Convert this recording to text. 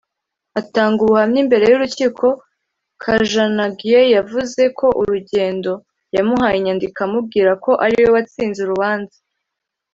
Atanga ubuhamya imbere y’urukiko Kajanagye yavuze ko Rugendo yamuhaye inyandiko amubwira ko ariwe watsinze urubanza